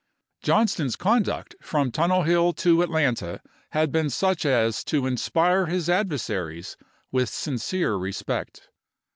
Johnston's conduct from Tunnel Hill to Atlanta had been such as to inspire his adversaries with sincere respect.